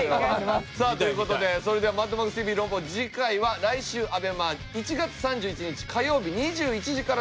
さあという事でそれでは『マッドマックスＴＶ論破王』次回は来週ＡＢＥＭＡ１月３１日火曜日２１時からでございます。